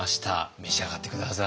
召し上がって下さい。